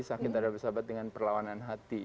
sakit adalah bersahabat dengan perlawanan hati